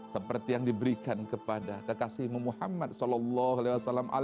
seperti yang diberikan kepada kekasihmu muhammad saw